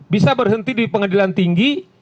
bisa berhenti di pengadilan tinggi